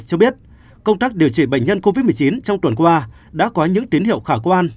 cho biết công tác điều trị bệnh nhân covid một mươi chín trong tuần qua đã có những tín hiệu khả quan